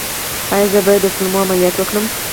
ایا زه باید د کولمو عملیات وکړم؟